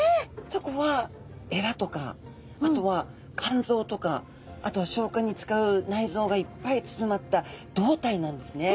そこはエラとかあとはかんぞうとかあとは消化に使うないぞうがいっぱい包まった胴体なんですね。